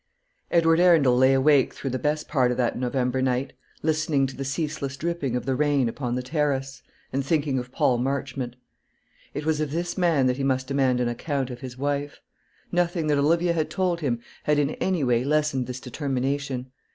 Edward Arundel lay awake through the best part of that November night, listening to the ceaseless dripping of the rain upon the terrace, and thinking of Paul Marchmont. It was of this man that he must demand an account of his wife. Nothing that Olivia had told him had in any way lessened this determination.